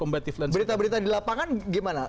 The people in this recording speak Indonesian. berita berita di lapangan gimana